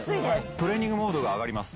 トレーニングモードが上がります。